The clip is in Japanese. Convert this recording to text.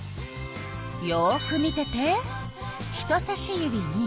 よく見てて。